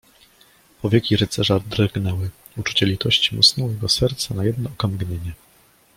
Powieki rycerza drgnęły, uczucie litości musnęło jego serce na jedno okamgnienie.